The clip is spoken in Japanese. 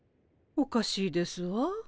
おかしいですわ。